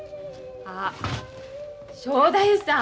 あっ正太夫さん！